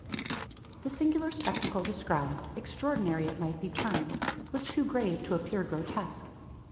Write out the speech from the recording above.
The singular spectacle described extraordinary it might be termed was too grave to appear grotesque.